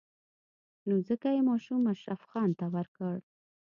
نو ځکه يې ماشوم اشرف خان ته ورکړ.